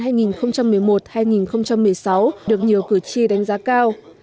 điều một mươi sáu được nhiều cử tri đánh giá cao